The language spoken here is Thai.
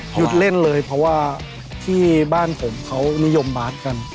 หยุดเล่นเลยเพราะว่าที่บ้านผมเขานิยมบาสกัน